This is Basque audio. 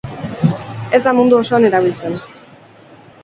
Ez da mundu osoan erabiltzen.